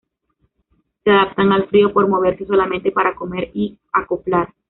Se adaptan al frío por moverse solamente para comer y acoplar.